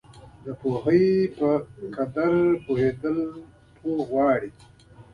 د پوهې په قدر پوهېدل پوهه غواړي.